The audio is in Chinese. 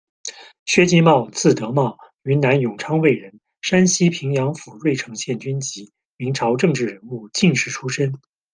薛继茂，字德茂，云南永昌卫人，山西平阳府芮城县军籍，明朝政治人物、进士出身。